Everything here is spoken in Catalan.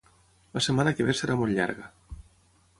La setmana que ve serà molt llarga